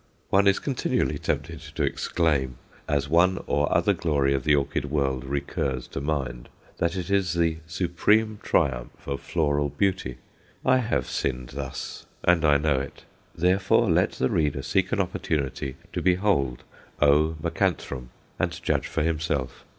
_ one is continually tempted to exclaim, as one or other glory of the orchid world recurs to mind, that it is the supreme triumph of floral beauty. I have sinned thus, and I know it. Therefore, let the reader seek an opportunity to behold O. macranthum, and judge for himself.